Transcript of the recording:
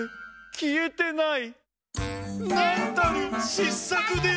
きえてない！